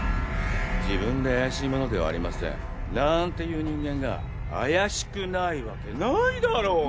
自分で「怪しい者ではありません」なんて言う人間が怪しくないわけないだろうが！